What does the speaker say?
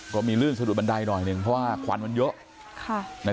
ก็มีลื่นสะดุดบันไดหน่อยหนึ่งเพราะว่าควันมันเยอะ